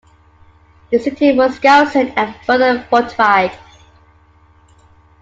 The city was garrisoned and further fortified.